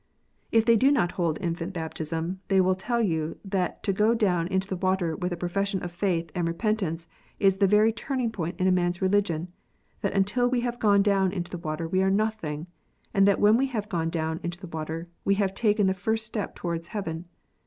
If they do not hold infant baptism, they will tell you that to go down into the water with a profession of faith and repentance is the very turning point in a man s religion, that until we have gone down into the water we are nothing, and that when we have gone clown into the water, we have taken the first step toward heaven